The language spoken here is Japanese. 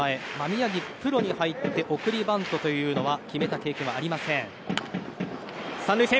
宮城、プロに入ってから送りバントを決めた経験はありません。